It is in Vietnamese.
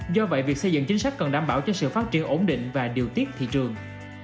do vậy việc xây dựng chính sách cần đảm bảo cho sự phát triển ổn định và điều tiết thị trường